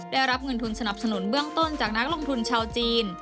ได้รับเงินทุนสนับสนุนเบื้องต้นจากนักลงทุนชาวจีน